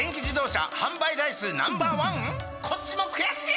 こっちも悔しい！